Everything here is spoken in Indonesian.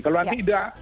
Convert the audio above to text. kalau nanti tidak